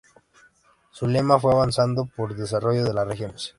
Su lema fue ""Avanzando por Desarrollo de las Regiones"".